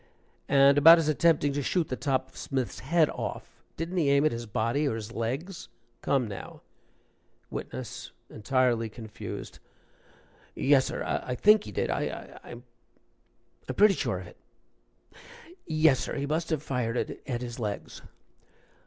"And about his attempting to shoot the top of Smith's head off didn't he aim at his body, or his legs? Come now." WITNESS. (Entirely confused) "Yes, sir I think he did I I'm pretty certain of it. Yes, sir, he must a fired at his legs."